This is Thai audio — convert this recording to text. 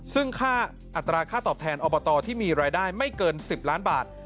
ซึ่งค่าอัตราค่าตอบแทนอบตที่มีรายได้ไม่เกิน๑๐ล้านบาท